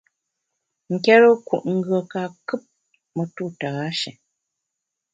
Nkérekut ngùe ka kùp metu tâshé.